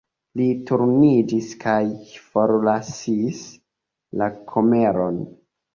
Li turniĝis kaj forlasis la kameron.